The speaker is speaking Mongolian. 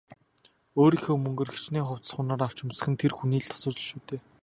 Өөрийнхөө мөнгөөр хэчнээн хувцас хунар авч өмсөх нь тэр хүний л асуудал шүү дээ.